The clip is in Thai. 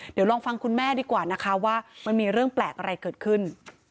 เดี๋ยวลองฟังคุณแม่ดีกว่านะคะว่ามันมีเรื่องแปลกอะไรเกิดขึ้น